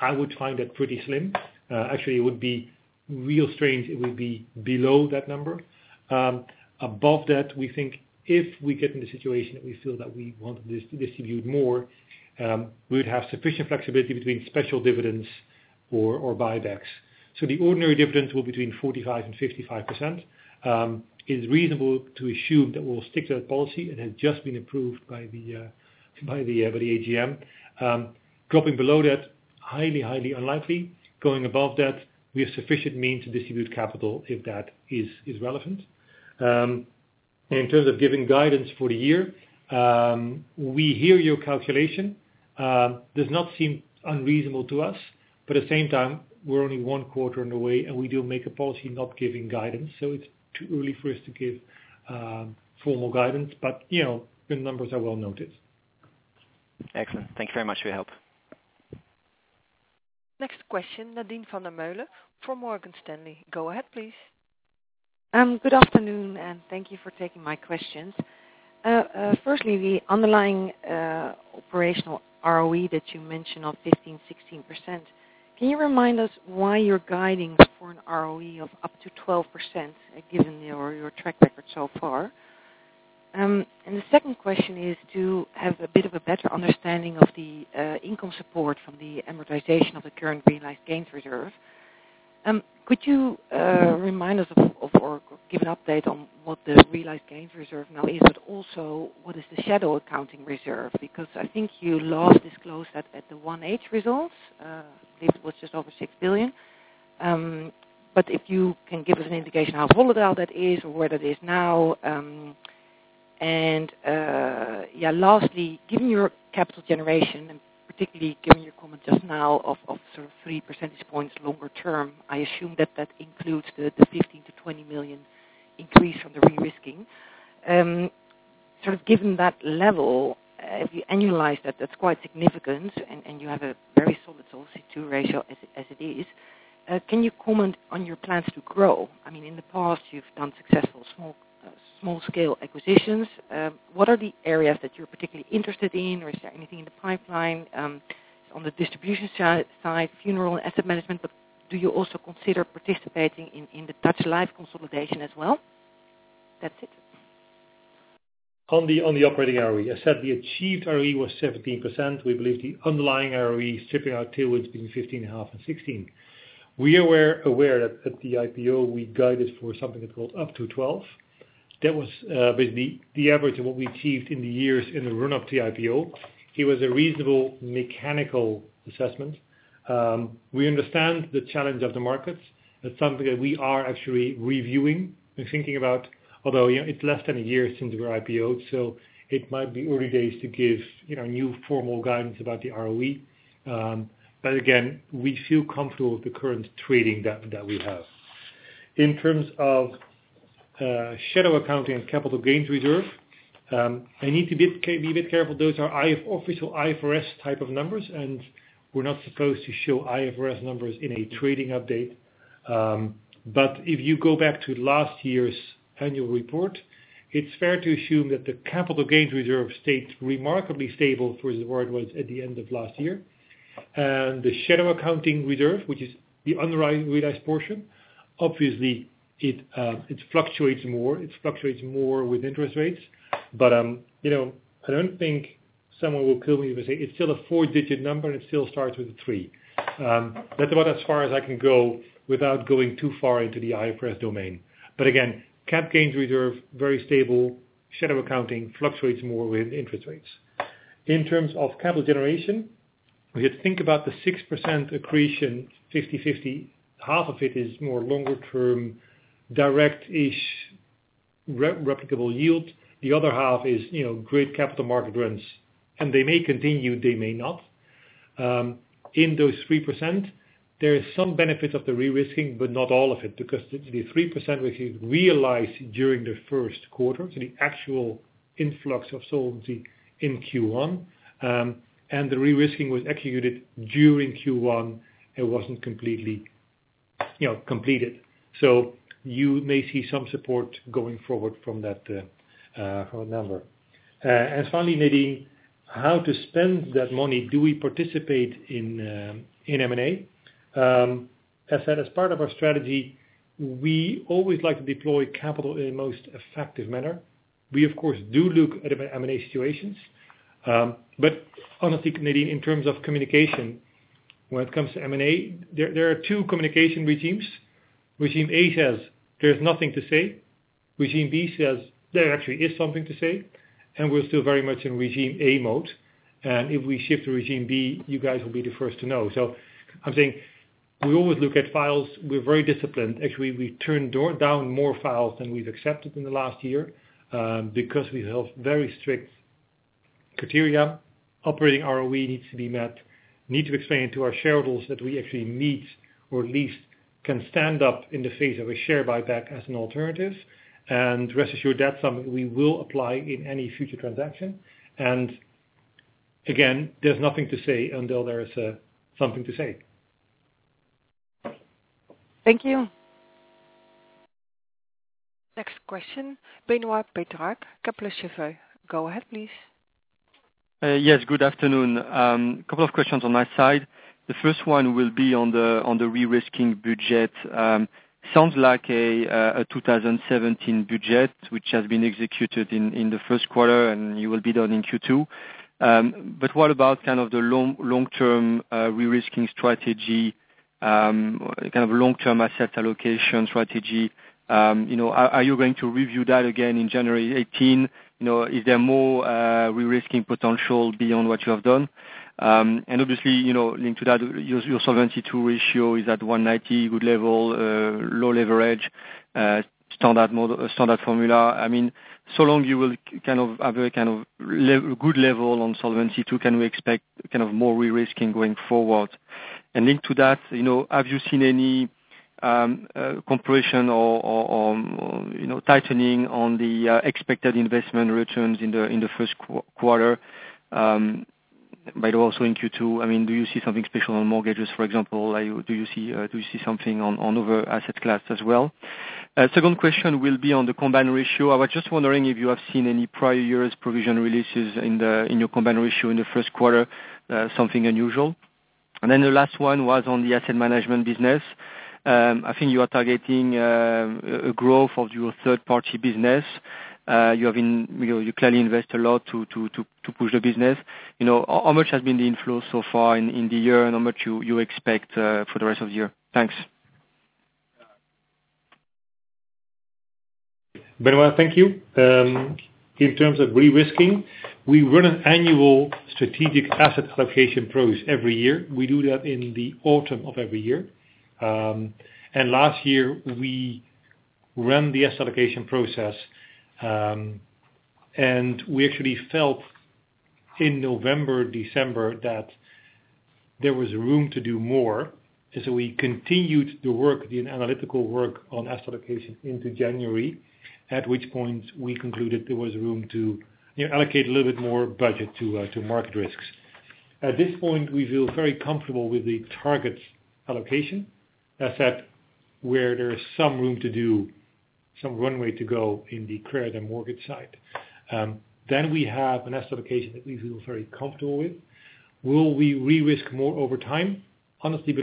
I would find that pretty slim. Actually, it would be real strange it would be below that number. Above that, we think if we get in the situation that we feel that we want to distribute more, we would have sufficient flexibility between special dividends or share buybacks. The ordinary dividend will be between 45% and 55%. It's reasonable to assume that we'll stick to that policy. It has just been approved by the AGM. Dropping below that, highly unlikely. Going above that, we have sufficient means to distribute capital if that is relevant. In terms of giving guidance for the year, we hear your calculation. Does not seem unreasonable to us, but at the same time, we're only one quarter on the way, and we do make a policy not giving guidance. It's too early for us to give formal guidance. The numbers are well noted. Excellent. Thank you very much for your help. Next question, Nadine van der Meulen from Morgan Stanley. Go ahead, please. Good afternoon. Thank you for taking my questions. Firstly, the underlying operational ROE that you mentioned of 15, 16%. Can you remind us why you're guiding for an ROE of up to 12% given your track record so far? The second question is to have a bit of a better understanding of the income support from the amortization of the current realized gains reserve. Could you remind us of or give an update on what the realized gains reserve now is, but also what is the shadow accounting reserve? Because I think you last disclosed that at the one H results. I think it was just over 6 billion. If you can give us an indication how volatile that is or where that is now. Lastly, given your capital generation, and particularly given your comment just now of three percentage points longer term, I assume that includes the 15 million-20 million increase from the re-risking. Given that level, if you annualize that's quite significant, and you have a very solid Solvency II ratio as it is. Can you comment on your plans to grow? In the past you've done successful small-scale acquisitions. What are the areas that you're particularly interested in, or is there anything in the pipeline on the distribution side, funeral and asset management? Do you also consider participating in the Dutch Life consolidation as well? That's it. On the operating ROE. I said the achieved ROE was 17%. We believe the underlying ROE, stripping out tailwinds, between 15.5% and 16%. We are aware that at the IPO we guided for something called up to 12%. That was basically the average of what we achieved in the years in the run-up to the IPO. It was a reasonable mechanical assessment. We understand the challenge of the markets. That's something that we are actually reviewing and thinking about, although it's less than a year since we were IPO'd, so it might be early days to give new formal guidance about the ROE. Again, we feel comfortable with the current trading that we have. In terms of shadow accounting and capital gains reserve, I need to be a bit careful. Those are official IFRS type of numbers, and we're not supposed to show IFRS numbers in a trading update. If you go back to last year's annual report, it's fair to assume that the capital gains reserve stayed remarkably stable for where it was at the end of last year. The shadow accounting reserve, which is the unrealized portion, obviously it fluctuates more. It fluctuates more with interest rates. I don't think someone will kill me if I say it's still a four-digit number and it still starts with a 3. That's about as far as I can go without going too far into the IFRS domain. Again, capital gains reserve, very stable. Shadow accounting fluctuates more with interest rates. In terms of capital generation, if you think about the 6% accretion, 50/50, half of it is more longer-term, direct-ish replicable yield. The other half is great capital market runs, and they may continue, they may not. In those 3%, there is some benefit of the de-risking, but not all of it, because the 3% was realized during the first quarter, so the actual influx of solvency in Q1. The de-risking was executed during Q1. It wasn't completely completed. You may see some support going forward from that number. Finally, Nadine, how to spend that money, do we participate in M&A? As part of our strategy, we always like to deploy capital in the most effective manner. We, of course, do look at M&A situations. Honestly, Nadine, in terms of communication, when it comes to M&A, there are two communication regimes. Regime A says there's nothing to say. Regime B says there actually is something to say. We're still very much in regime A mode. If we shift to regime B, you guys will be the first to know. I'm saying we always look at files. We're very disciplined. Actually, we turned down more files than we've accepted in the last year because we have very strict criteria. Operating ROE needs to be met. Need to explain to our shareholders that we actually meet or at least can stand up in the face of a share buyback as an alternative. Rest assured, that's something we will apply in any future transaction. Again, there's nothing to say until there is something to say. Thank you. Next question, Benoit Pétrarque, Kepler Cheuvreux. Go ahead, please. Yes, good afternoon. Couple of questions on my side. The first one will be on the de-risking budget. Sounds like a 2017 budget, which has been executed in the first quarter, and you will be done in Q2. What about the long-term de-risking strategy, long-term asset allocation strategy? Are you going to review that again in January 2018? Is there more de-risking potential beyond what you have done? Obviously, linked to that, your Solvency II ratio is at 190%, good level, low leverage, standard formula. Long you will have a good level on Solvency II, can we expect more de-risking going forward? Linked to that, have you seen any compression or tightening on the expected investment returns in the first quarter? By the way, also in Q2, do you see something special on mortgages, for example? Do you see something on other asset class as well? Second question will be on the combined ratio. I was just wondering if you have seen any prior years' provision releases in your combined ratio in the first quarter, something unusual. The last one was on the asset management business. I think you are targeting a growth of your third-party business. You clearly invest a lot to push the business. How much has been the inflow so far in the year, and how much you expect for the rest of the year? Thanks. Benoit, thank you. In terms of de-risking, we run an annual strategic asset allocation process every year. We do that in the autumn of every year. Last year we ran the asset allocation process, we actually felt in November, December, that there was room to do more. We continued the analytical work on asset allocation into January, at which point we concluded there was room to allocate a little bit more budget to market risks. At this point, we feel very comfortable with the targets allocation, except where there is some room to do some runway to go in the credit and mortgage side. We have an asset allocation that we feel very comfortable with. Will we re-risk more over time? Honestly,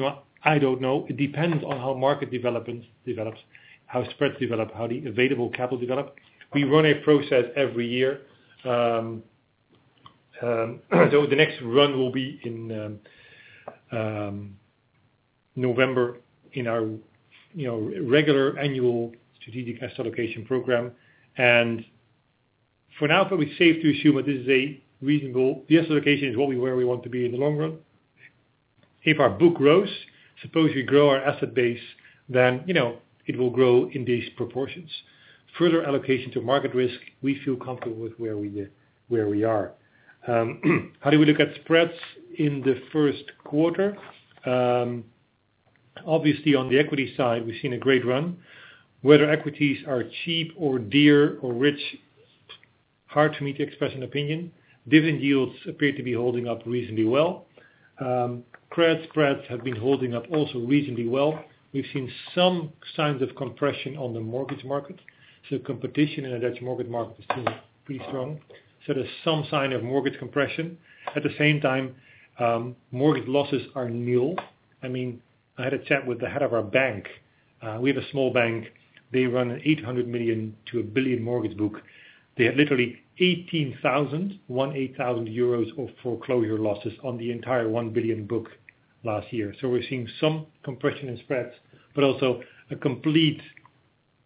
I don't know. It depends on how market develops, how spreads develop, how the available capital develop. We run a process every year. The next run will be in November in our regular annual strategic asset allocation program. For now, I feel it's safe to assume that this is a reasonable. The asset allocation is where we want to be in the long run. If our book grows, suppose we grow our asset base, it will grow in these proportions. Further allocation to market risk, we feel comfortable with where we are. How do we look at spreads in the first quarter? Obviously, on the equity side, we've seen a great run. Whether equities are cheap or dear or rich, hard for me to express an opinion. Dividend yields appear to be holding up reasonably well. Credit spreads have been holding up also reasonably well. We've seen some signs of compression on the mortgage market. Competition in the Dutch mortgage market is still pretty strong. There's some sign of mortgage compression. At the same time, mortgage losses are nil. I had a chat with the head of our bank. We have a small bank. They run an 800 million to 1 billion mortgage book. They had literally 18,000 of foreclosure losses on the entire 1 billion book last year. We're seeing some compression in spreads, but also a complete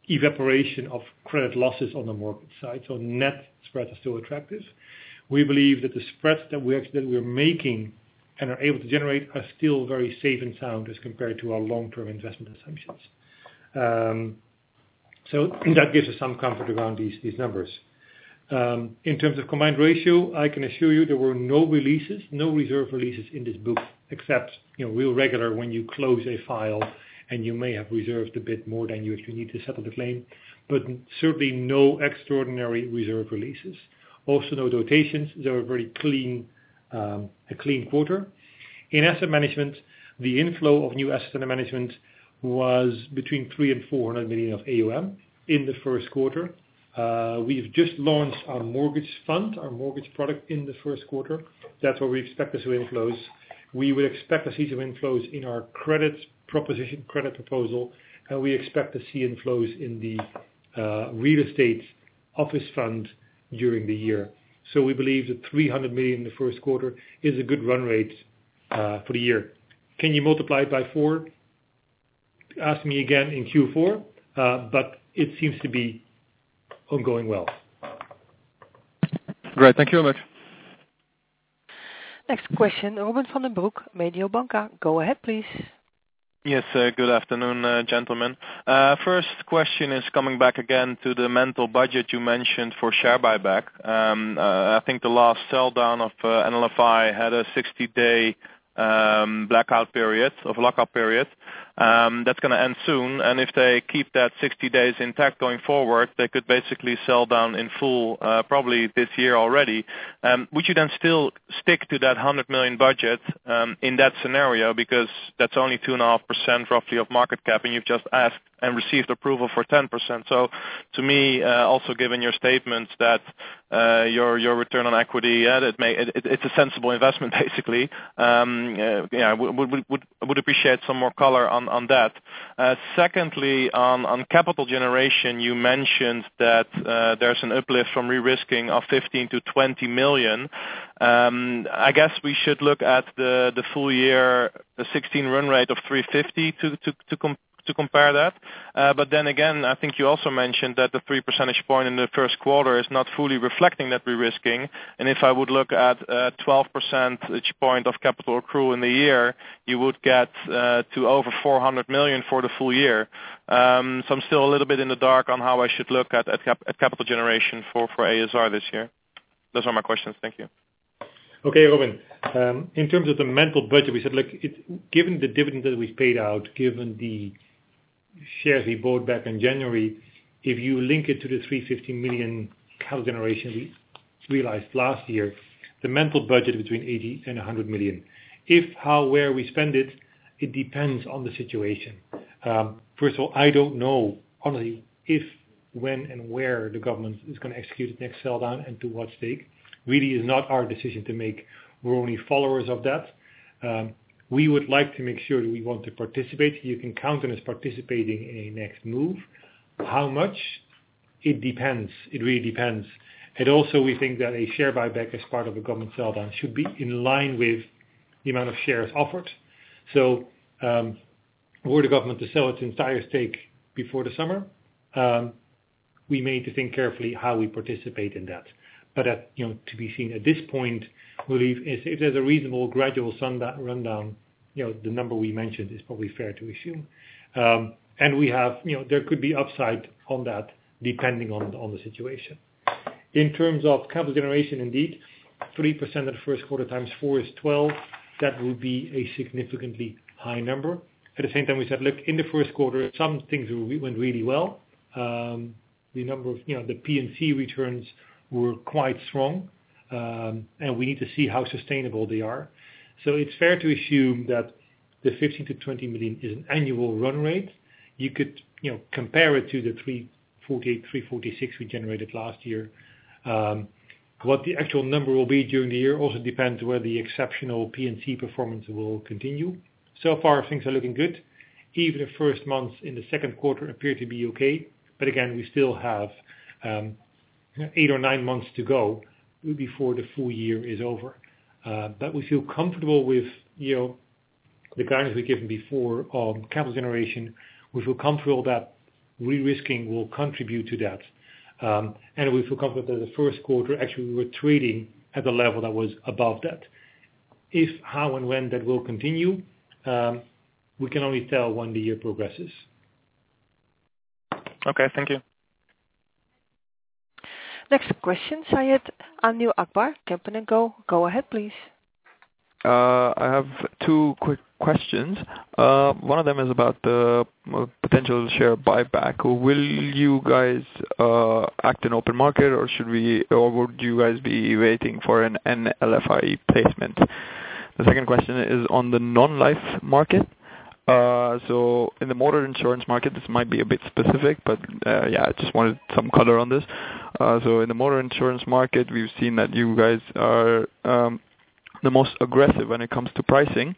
evaporation of credit losses on the mortgage side. Net spreads are still attractive. We believe that the spreads that we're making and are able to generate are still very safe and sound as compared to our long-term investment assumptions. That gives us some comfort around these numbers. In terms of combined ratio, I can assure you there were no releases, no reserve releases in this book, except real regular when you close a file and you may have reserved a bit more than you actually need to settle the claim, but certainly no extraordinary reserve releases. Also, no rotations. They were a clean quarter. In asset management, the inflow of new asset management was between 300 million and 400 million of AUM in the first quarter. We've just launched our mortgage fund, our mortgage product in the first quarter. That's where we expect to see inflows. We would expect to see some inflows in our credit proposal, and we expect to see inflows in the ASR Dutch Mobility Office Fund during the year. We believe that 300 million in the first quarter is a good run rate for the year. Can you multiply it by four? Ask me again in Q4. It seems to be ongoing well. Great. Thank you very much. Next question, Robin van den Broek, Mediobanca. Go ahead, please. Yes. Good afternoon, gentlemen. First question is coming back again to the mental budget you mentioned for share buyback. I think the last sell-down of NLFI had a 60-day blackout period of lockup period. That's going to end soon. If they keep that 60 days intact going forward, they could basically sell down in full, probably this year already. Would you still stick to that 100 million budget in that scenario? That's only 2.5% roughly of market cap. You've just asked and received approval for 10%. To me, also given your statements that your return on equity, it's a sensible investment, basically. Would appreciate some more color on that. Secondly, on capital generation, you mentioned that there's an uplift from re-risking of 15 million to 20 million. I guess we should look at the full year, the 2016 run rate of 350 million to compare that. I think you also mentioned that the 3 percentage points in the first quarter is not fully reflecting that re-risking. If I would look at 12 percentage points of capital accrual in the year, you would get to over 400 million for the full year. I'm still a little bit in the dark on how I should look at capital generation for ASR this year. Those are my questions. Thank you. Okay, Robin. In terms of the mental budget, we said, given the dividend that we paid out, given the shares we bought back in January, if you link it to the 350 million capital generation we realized last year, the mental budget between 80 million and 100 million. If, how, where we spend it depends on the situation. First of all, I don't know, honestly, if, when, and where the government is going to execute its next sell-down and to what stake. Really is not our decision to make. We're only followers of that. We would like to make sure that we want to participate. You can count on us participating in a next move. How much? It depends. It really depends. We think that a share buyback as part of a government sell-down should be in line with the amount of shares offered. Were the government to sell its entire stake before the summer, we may need to think carefully how we participate in that. That to be seen. At this point, believe if there's a reasonable gradual rundown, the number we mentioned is probably fair to assume. There could be upside on that depending on the situation. In terms of capital generation, indeed, 3% of the first quarter times four is 12. That will be a significantly high number. We said, look, in the first quarter, some things went really well. The P&C returns were quite strong. We need to see how sustainable they are. It's fair to assume that the 15 million to 20 million is an annual run rate. You could compare it to the 346 million we generated last year. What the actual number will be during the year also depends on whether the exceptional P&C performance will continue. Things are looking good. Even the first months in the second quarter appear to be okay. Again, we still have 8 or 9 months to go before the full year is over. We feel comfortable with the guidance we've given before on capital generation. We feel comfortable that re-risking will contribute to that. We feel comfortable that the first quarter, actually, we were trading at the level that was above that. If, how, and when that will continue, we can only tell when the year progresses. Okay, thank you. Next question, Syed Anuar Akbar, Kempen & Co. Go ahead, please. I have 2 quick questions. One of them is about the potential share buyback. Will you guys act in open market or would you guys be waiting for an NLFI placement? The second question is on the non-life market. In the motor insurance market, this might be a bit specific, but I just wanted some color on this. In the motor insurance market, we've seen that you guys are the most aggressive when it comes to pricing,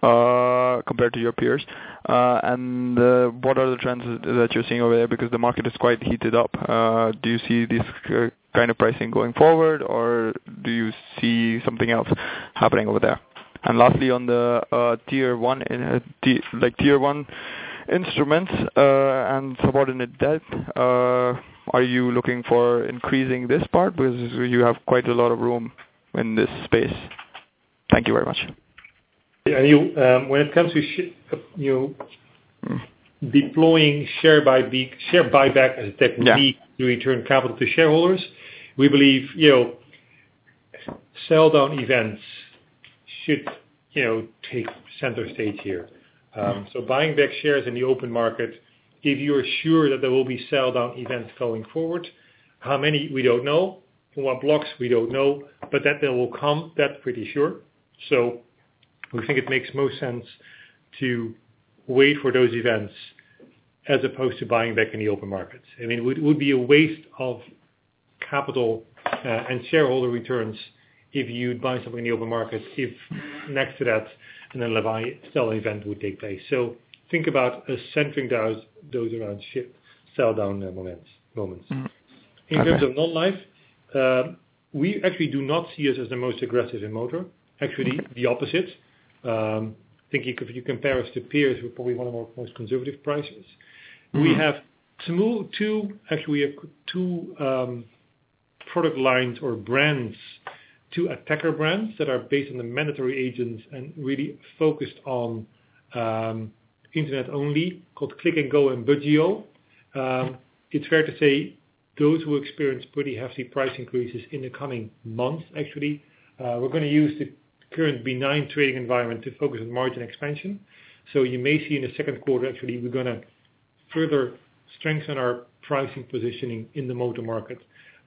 compared to your peers. What are the trends that you're seeing over there? Because the market is quite heated up. Do you see this kind of pricing going forward, or do you see something else happening over there? Lastly, on the tier 1 instruments and subordinate debt, are you looking for increasing this part because you have quite a lot of room in this space. Thank you very much. When it comes to deploying share buybacks as a technique to return capital to shareholders, we believe sell-down events should take center stage here. Buying back shares in the open market, if you are sure that there will be sell-down events going forward. How many? We don't know. What blocks? We don't know. But that they will come, that's pretty sure. We think it makes most sense to wait for those events as opposed to buying back in the open markets. It would be a waste of capital and shareholder returns if you'd buy something in the open market if next to that, an NLFI sell event would take place. Think about centering those around sell-down moments. Okay. In terms of non-life, we actually do not see us as the most aggressive in motor. Actually, the opposite. Thinking if you compare us to peers, we're probably one of the most conservative prices. Actually, we have two product lines or brands, two attacker brands that are based on the mandatory agents and really focused on internet only, called Click and Go and [Budgio]. It's fair to say those will experience pretty hefty price increases in the coming months, actually. We're going to use the current benign trading environment to focus on margin expansion. You may see in the second quarter, actually, we're going to further strengthen our pricing positioning in the motor market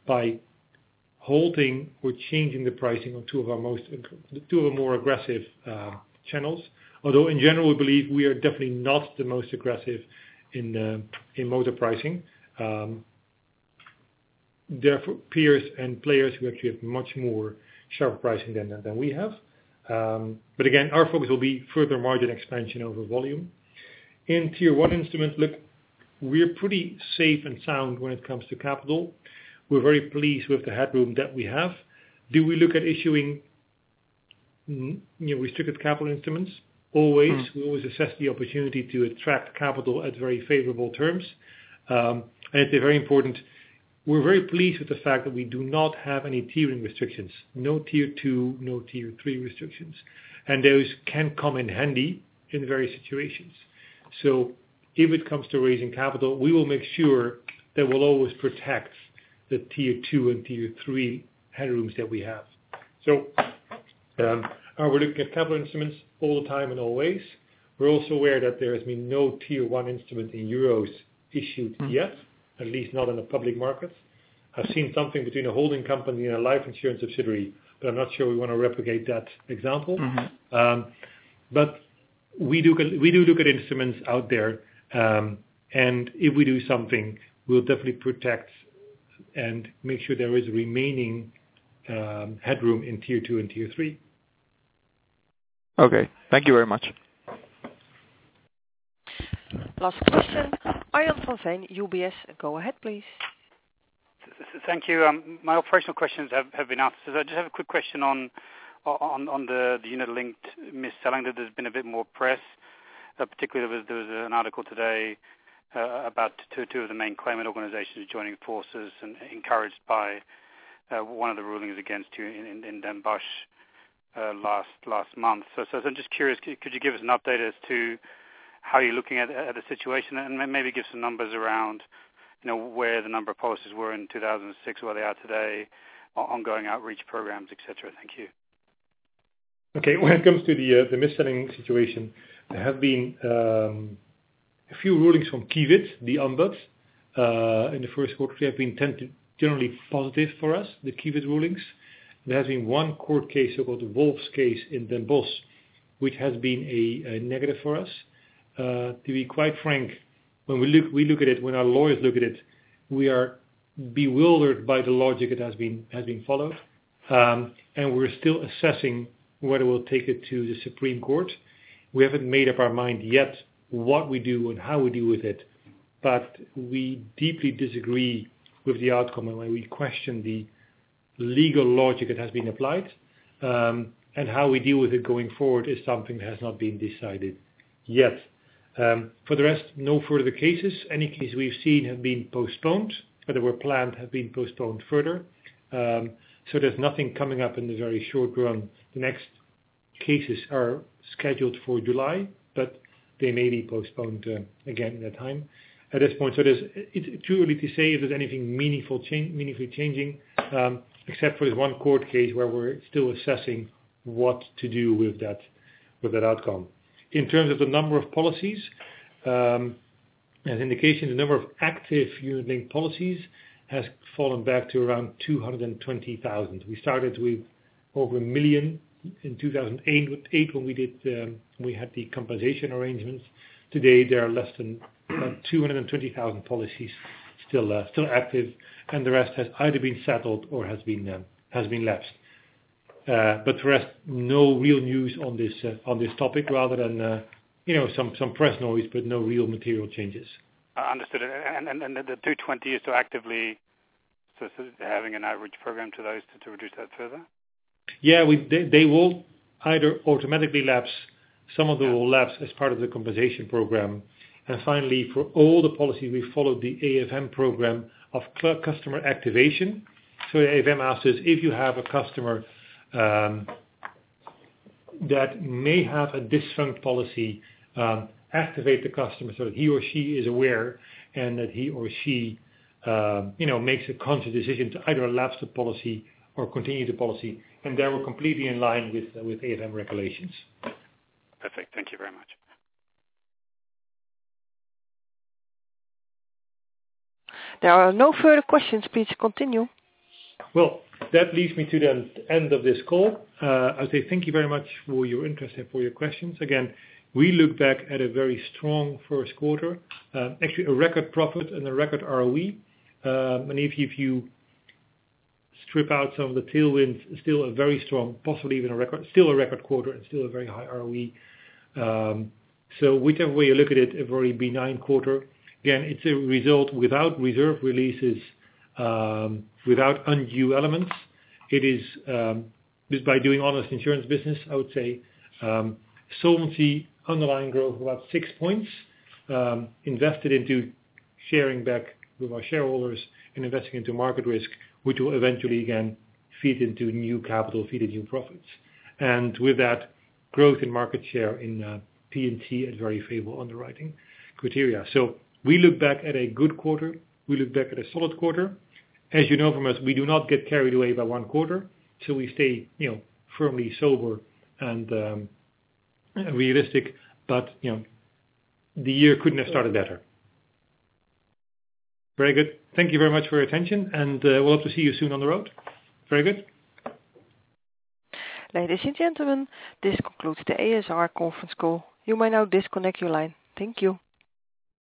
by holding or changing the pricing on two of our more aggressive channels. In general, we believe we are definitely not the most aggressive in motor pricing. There are peers and players who actually have much more sharper pricing than we have. But again, our focus will be further margin expansion over volume. In tier 1 instruments, look, we're pretty safe and sound when it comes to capital. We're very pleased with the headroom that we have. Do we look at issuing restricted capital instruments? Always. We always assess the opportunity to attract capital at very favorable terms. I'd say very important, we're very pleased with the fact that we do not have any tiering restrictions. No tier 2, no tier 3 restrictions. And those can come in handy in various situations. If it comes to raising capital, we will make sure that we'll always protect the tier 2 and tier 3 headrooms that we have. We're looking at capital instruments all the time and always. We're also aware that there has been no tier 1 instrument in EUR issued yet, at least not in the public markets. I've seen something between a holding company and a life insurance subsidiary, but I'm not sure we want to replicate that example. We do look at instruments out there, and if we do something, we'll definitely protect and make sure there is remaining headroom in tier 2 and tier 3. Okay. Thank you very much. Last question, Arjan van Veen, UBS. Go ahead, please. Thank you. My operational questions have been answered. I just have a quick question on the unit-linked mis-selling that there's been a bit more press. Particularly, there was an article today about two of the main claimant organizations joining forces and encouraged by one of the rulings against you in Den Bosch last month. I'm just curious, could you give us an update as to how you're looking at the situation and maybe give some numbers around where the number of policies were in 2006, where they are today, ongoing outreach programs, et cetera? Thank you. Okay. When it comes to the mis-selling situation, there have been a few rulings from Kifid, the ombuds, in the first quarter. They have been generally positive for us, the Kifid rulings. There has been one court case called the Woekerpolis affair in Den Bosch, which has been a negative for us. To be quite frank, when our lawyers look at it, we are bewildered by the logic that has been followed. We're still assessing whether we'll take it to the Supreme Court. We haven't made up our mind yet what we do and how we deal with it. We deeply disagree with the outcome, and we question the legal logic that has been applied. How we deal with it going forward is something that has not been decided yet. For the rest, no further cases. Any case we've seen have been postponed, that were planned, have been postponed further. There's nothing coming up in the very short run. The next cases are scheduled for July, but they may be postponed again at time. At this point, it's too early to say if there's anything meaningfully changing, except for this one court case where we're still assessing what to do with that outcome. In terms of the number of policies, as an indication, the number of active unit-linked policies has fallen back to around 220,000. We started with over 1 million in 2008, when we had the compensation arrangements. Today, there are less than 220,000 policies still active, and the rest has either been settled or has been lapsed. The rest, no real news on this topic rather than some press noise, but no real material changes. Understood. The 220 you're still actively having an outreach program to those to reduce that further? Yeah, they will either automatically lapse. Some of them will lapse as part of the compensation program. Finally, for all the policies, we followed the AFM program of customer activation. AFM asked us if you have a customer that may have a defunct policy, activate the customer so that he or she is aware and that he or she makes a conscious decision to either lapse the policy or continue the policy. There we're completely in line with AFM regulations. Perfect. Thank you very much. There are no further questions. Please continue. Well, that leads me to the end of this call. I say thank you very much for your interest and for your questions. We look back at a very strong first quarter, actually a record profit and a record ROE. If you strip out some of the tailwinds, still a very strong, possibly even a record, still a record quarter and still a very high ROE. Whichever way you look at it, a very benign quarter. It's a result without reserve releases, without undue elements. It is just by doing honest insurance business, I would say. Solvency, underlying growth of about 6 points, invested into sharing back with our shareholders and investing into market risk, which will eventually, again, feed into new capital, feed into new profits. With that growth in market share in P&C at very favorable underwriting criteria. We look back at a good quarter. We look back at a solid quarter. As you know from us, we do not get carried away by 1 quarter, so we stay firmly sober and realistic. The year couldn't have started better. Very good. Thank you very much for your attention, and we hope to see you soon on the road. Very good. Ladies and gentlemen, this concludes the ASR conference call. You may now disconnect your line. Thank you.